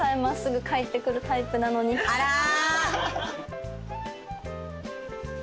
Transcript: あら！